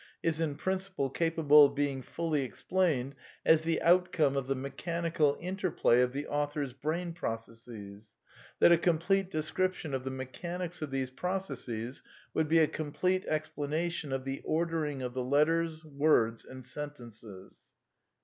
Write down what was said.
is in principle capable of being fully explained as the outcome of the mechanical interplay of the author's brain processes: that a complete description of the mechanics of these processes would be a complete explanation of the ordering of the letters, words and sentences."